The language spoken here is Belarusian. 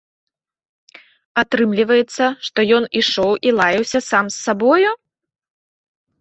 Атрымліваецца, што ён ішоў і лаяўся сам з сабою?